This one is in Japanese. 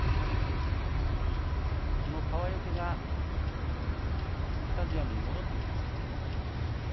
その川除が、スタジアムに戻ってきました。